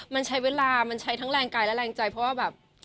มันใช้เวลามันใช้ทั้งแรงกายและแรงใจเพราะว่าแบบ